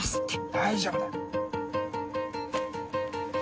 大丈夫だ。